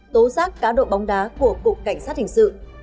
tố giác cá độ bóng đá của cục cảnh sát hình sự